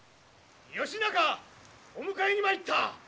義仲お迎えに参った！